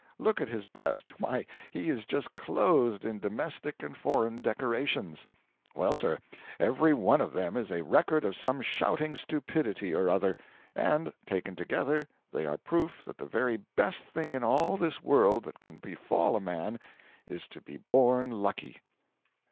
Look at his breast; why, he is just clothed in domestic and foreign decorations. Well, sir, every one of them is a record of some shouting stupidity or other; and, taken together, they are proof that the very best thing in all this world that can befall a man is to be born lucky.